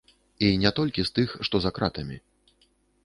І не толькі з тых, што за кратамі.